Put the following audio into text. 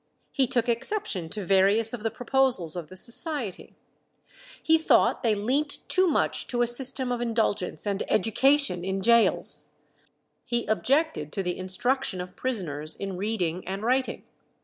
He took exception to various of the proposals of the Society. He thought they leant too much to a system of indulgence and education in gaols. He objected to the instruction of prisoners in reading and writing.